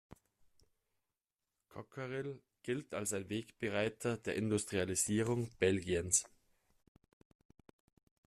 Cockerill gilt als ein Wegbereiter der Industrialisierung Belgiens.